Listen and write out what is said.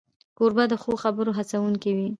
کوربه د ښو خبرو هڅونکی وي.